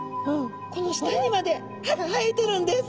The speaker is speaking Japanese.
この舌にまで歯が生えてるんです。